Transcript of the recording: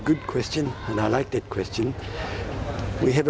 นี่คือสถานที่สุดฉันชอบคำนี้